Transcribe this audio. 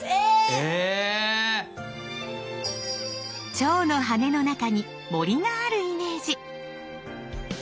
蝶の羽の中に森があるイメージ。